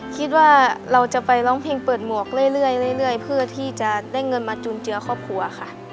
คิดว่าเราจะไปร้องเพลงเปิดหมวกเรื่อยเพื่อที่จะได้เงินมาจุนเจือครอบครัวค่ะ